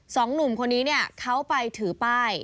สองหนุ่มคนนี้เนี่ยเขาไปถือป้าย